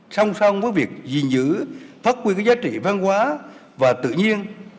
song song với việc gìn giữ phát huy các giá trị văn hóa và tự nhiên